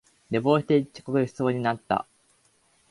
寝坊して遅刻しそうになった